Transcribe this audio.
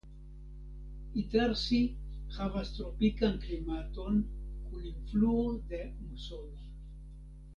Itarsi havas tropikan klimaton kun influo de musono.